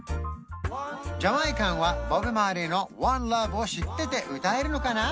ジャマイカンはボブ・マーリーの「ＯｎｅＬｏｖｅ」を知ってて歌えるのかな？